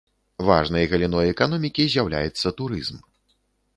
Важнай галіной эканомікі з'яўляецца турызм.